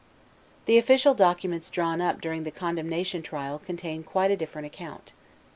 The official documents drawn up during the condemnation trial contain quite a different account.